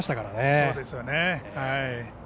そうですね。